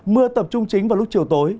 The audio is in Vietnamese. mưa tập trung chính vào lúc chiều tối